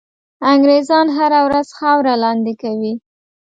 انګرېزان هره ورځ خاوره لاندي کوي.